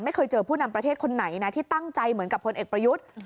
ไม่เคยเจอผู้นำประเทศคนไหนนะที่ตั้งใจเหมือนกับพลเอกประยุทธ์